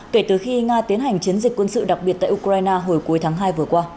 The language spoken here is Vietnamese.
kể từ khi nga tiến hành chiến dịch quân sự đặc biệt tại ukraine hồi cuối tháng hai vừa qua